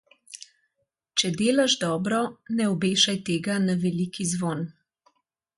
Če delaš dobro, ne obešaj tega na veliki zvon.